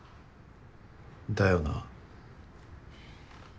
だよな。